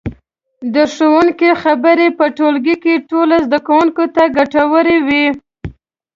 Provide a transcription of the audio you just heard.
د ښوونکي خبرې په ټولګي کې ټولو زده کوونکو ته ګټورې وي.